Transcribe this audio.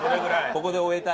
ここで終えたい？